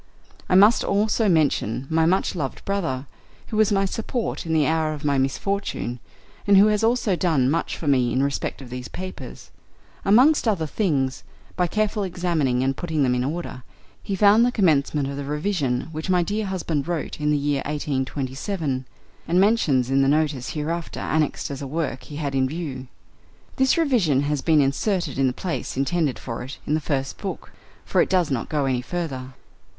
I must also mention my much loved brother, who was my support in the hour of my misfortune, and who has also done much for me in respect of these papers; amongst other things, by carefully examining and putting them in order, he found the commencement of the revision which my dear husband wrote in the year 1827, and mentions in the Notice hereafter annexed as a work he had in view. This revision has been inserted in the place intended for it in the first book (for it does not go any further).